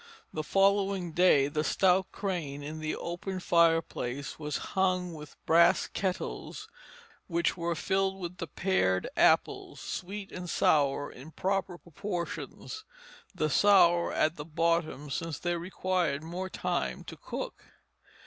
The following day the stout crane in the open fireplace was hung with brass kettles which were filled with the pared apples, sweet and sour in proper proportions, the sour at the bottom since they required more time to cook.